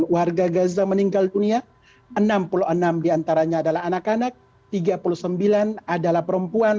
satu warga gaza meninggal dunia enam puluh enam diantaranya adalah anak anak tiga puluh sembilan adalah perempuan